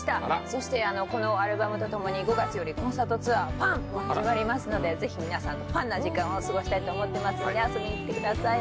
そしてこのアルバムとともに５月よりコンサートツアー「ＦＵＮ」も始まりますのでぜひ皆さんとファンな時間を過ごしたいと思ってますので遊びに来てください